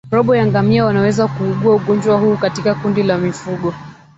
Robo ya ngamia wanaweza kuugua ugonjwa huu katika kundi la mifugo